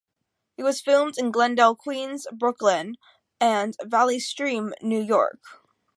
It was filmed in Glendale, Queens; Brooklyn; and Valley Stream, New York.